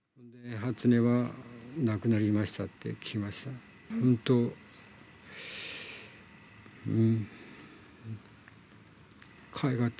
初音は、亡くなりましたって聞きました。